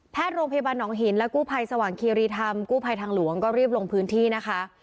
โรงพยาบาลหนองหินและกู้ภัยสว่างคีรีธรรมกู้ภัยทางหลวงก็รีบลงพื้นที่นะคะ